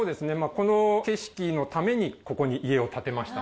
この景色のためにここに家を建てました。